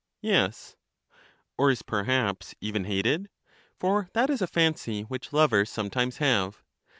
Yes. Or is, perhaps, even hated? for that is a fancy which lovers sometimes have.